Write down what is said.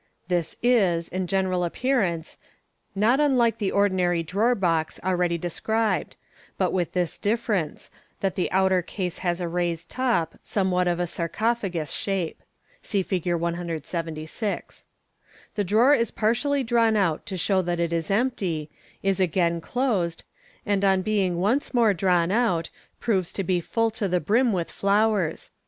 — This is, in general appearance, ixot unlike the ordinary drawer box already described, but with this difference, that the outer case has a raised top, somewhat of a sarcophagus shape. (See Fig. 176). The drawer is partially drawn out to show that it is empty, is again closed, and on being once more drawn out, proves to be full to the brim with flowers.